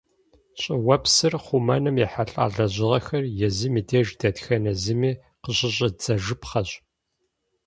Щӏыуэпсыр хъумэным ехьэлӀа лэжьыгъэхэр езым и деж дэтхэнэ зыми къыщыщӀидзэжыпхъэщ.